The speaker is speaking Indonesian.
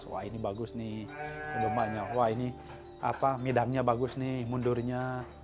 wah ini bagus nih dombanya wah ini midangnya bagus nih mundurnya